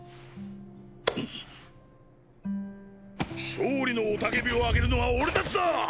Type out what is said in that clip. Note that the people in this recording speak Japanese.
勝利の雄叫びを上げるのは俺たちだ！！